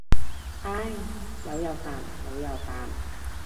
唉，有又煩冇又煩。